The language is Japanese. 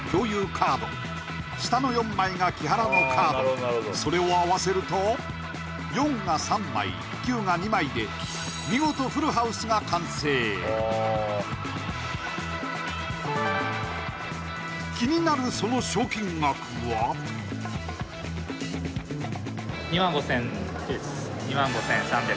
カード下の４枚が木原のカードそれをあわせると４が３枚９が２枚で見事フルハウスが完成気になるその２万５０００